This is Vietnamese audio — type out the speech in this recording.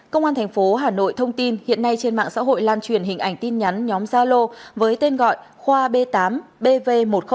công an thành phố hà nội thông tin hiện nay trên mạng xã hội lan truyền hình ảnh tin nhắn nhóm gia lô với tên gọi khoa b tám bv một trăm linh một